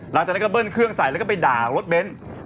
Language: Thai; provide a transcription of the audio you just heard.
หลังจากนั้นก็เบิ้ลเครื่องใส่แล้วก็ไปด่ารถเบนท์